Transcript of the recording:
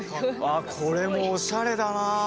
これもおしゃれだな。